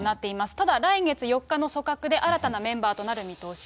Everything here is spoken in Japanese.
ただ、来月４日の組閣で新たなメンバーとなる見通し。